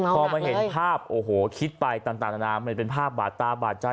พอมาเห็นภาพโอ้โหคิดไปต่างนานามันเป็นภาพบาดตาบาดใจ